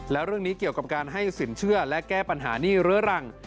และเรื่องนี้เกี่ยวกับการให้สินเชื่อและแก้ปัญหาหนี้เรื้อรัง